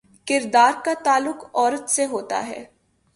کردار کا تعلق عورت سے ہے۔